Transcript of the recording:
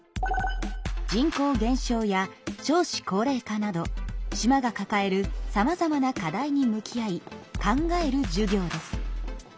人口減少や少子高齢化など島がかかえるさまざまな課題に向き合い考える授業です。